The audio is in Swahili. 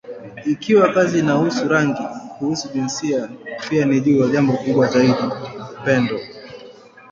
Ikiwa kazi inahusu rangi, kuhusu jinsia, pia ni juu ya jambo kubwa zaidi: upendo.